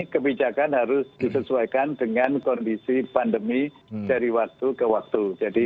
kebijakan harus disesuaikan dengan kondisi pandemi dari waktu ke waktu